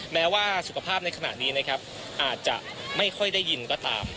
แม้ว่าสุขภาพในขณะนี้นะครับอาจจะไม่ค่อยได้ยินก็ตาม